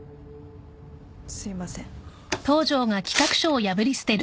すいません。